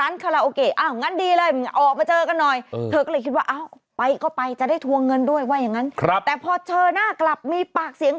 เธอเฉินท่าไม่ดี